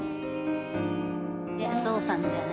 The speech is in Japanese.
ゾウさんじゃない？